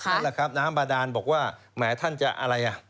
ครับล่ะครับน้ำบาดาลบอกว่าหมายถามท่านจะอะไร